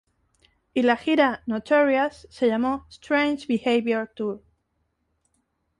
Y la "gira Notorious" se llamó "Strange Behaviour Tour".